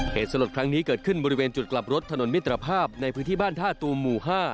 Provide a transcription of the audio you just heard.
เหตุสลดครั้งนี้เกิดขึ้นบริเวณจุดกลับรถถนนมิตรภาพในพื้นที่บ้านท่าตูมหมู่๕